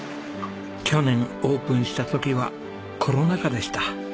去年オープンした時はコロナ禍でした。